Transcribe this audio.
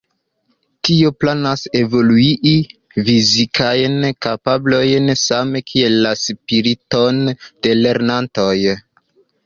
Tio planas evoluigi fizikajn kapablojn same kiel la spiriton de la lernantoj.